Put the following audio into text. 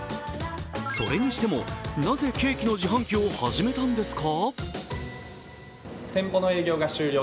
それにしてもなぜケーキの自販機を始めたんですか？